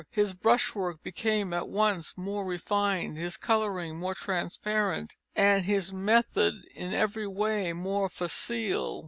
His brushwork became at once more refined, his colouring more transparent, and his method in every way more facile.